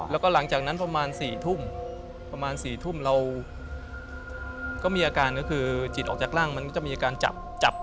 แล้วก็หลังจากนั้นประมาณ๔ทุ่มประมาณ๔ทุ่มเราก็มีอาการก็คือจิตออกจากร่างมันก็จะมีอาการจับ